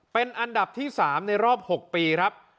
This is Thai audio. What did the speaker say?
เป็นอันดับที่๓ในรอบ๖ปีครับ